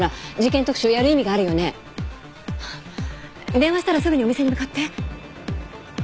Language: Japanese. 電話したらすぐにお店に向かって。